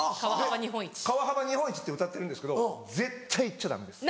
川幅日本一ってうたってるんですけど絶対行っちゃダメです。